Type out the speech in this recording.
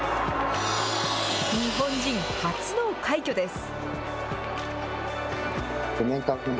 日本人初の快挙です。